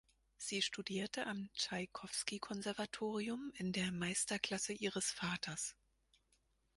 Sie studierte am Tschaikowski-Konservatorium in der Meisterklasse ihres Vaters.